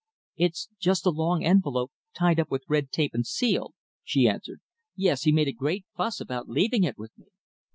"It's just a long envelope tied up with red tape and sealed," she answered. "Yes! he made a great fuss about leaving it with me."